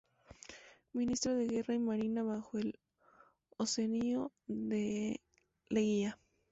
Ministro de Guerra y Marina bajo el Oncenio de Leguía.